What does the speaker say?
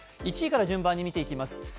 １位から順番に見ていきます。